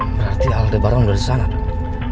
berarti aldebaran udah disana dong